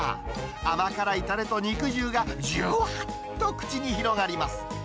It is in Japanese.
甘辛いたれと肉汁がじゅわっと口に広がります。